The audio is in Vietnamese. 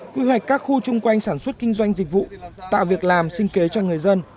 quy hoạch các khu chung quanh sản xuất kinh doanh dịch vụ tạo việc làm sinh kế cho người dân